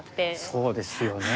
そうですよね。